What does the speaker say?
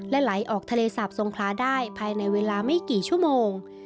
และไหลออกทะเลสาบทรงคลาได้ภายในเวลาไม่กี่ชั่วโมง